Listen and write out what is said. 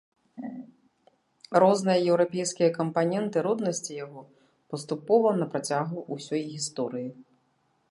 Розныя еўрапейскія кампаненты роднасці яго паступова на працягу ўсёй гісторыі.